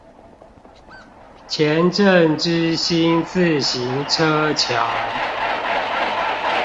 前鎮之星自行車橋